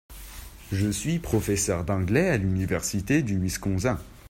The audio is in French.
Je suis professeur d'anglais à l'université du Wisconsin.